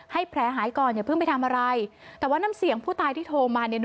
ให้แผลหายก่อนอย่าเพิ่งไปทำอะไรแต่ว่าน้ำเสียงผู้ตายที่โทรมาเนี่ย